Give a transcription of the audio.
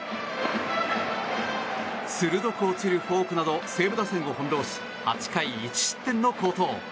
鋭く落ちるフォークなど西武打線を翻弄し８回１失点の好投。